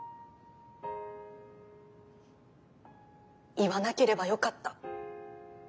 言わなければよかった。